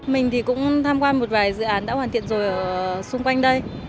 mình cũng tham quan một vài dự án đã hoàn thiện rồi xung quanh đây